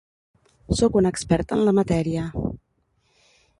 Sóc una experta en la matèria.